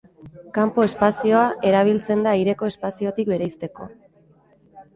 Kanpo espazioa erabiltzen da aireko espaziotik bereizteko.